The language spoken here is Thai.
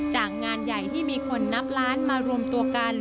จากงานใหญ่ที่มีคนนับล้านมารวมตัวกัน